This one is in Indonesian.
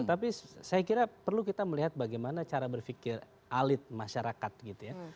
jadi saya kira perlu kita melihat bagaimana cara berpikir elit masyarakat gitu ya